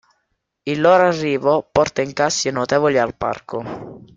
Il loro arrivo porta incassi notevoli al parco.